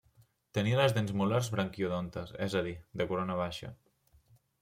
Tenia les dents molars braquiodontes, és a dir, de corona baixa.